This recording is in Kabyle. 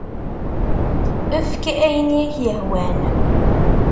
Efk ayen i ak-yehwan.